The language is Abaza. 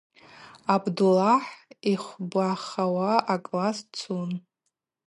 Абдулахӏ йхвбахауа акласс дцун.